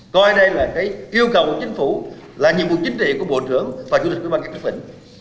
coi đây là cái yêu cầu của chính phủ là nhiệm vụ chính trị của bộ trưởng và chủ tịch quyên bán các kịch vẩn